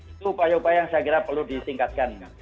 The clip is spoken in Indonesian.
itu upaya upaya yang saya kira perlu ditingkatkan